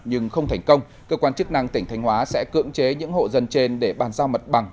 nhưng không thành công cơ quan chức năng tỉnh thanh hóa sẽ cưỡng chế những hộ dân trên để bàn giao mặt bằng